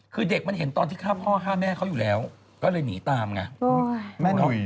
คือเด็กมันเห็นตอนที่ฆ่าพ่อฆ่าแม่เขาอยู่แล้วก็เลยหนีตามไง